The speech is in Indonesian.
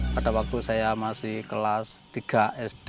pada waktu saya masih kelas tiga sd